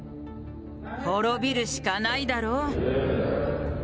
滅びるしかないだろ。